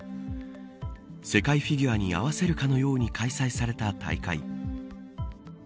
世界フィギュアに合わせるかのように開催された大会。